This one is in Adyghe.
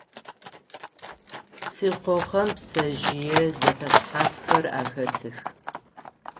Псыхъохэм пцэжъые зэфэшъхьафхэр ахэсых.